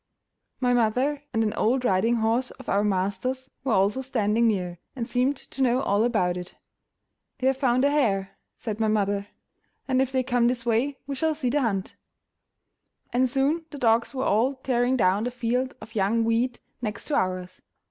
My mother and an old riding horse of our master's were also standing near, and seemed to know all about it. "They have found a hare," said my mother, "and if they come this way we shall see the hunt." And soon the dogs were all tearing down the field of young wheat next to ours.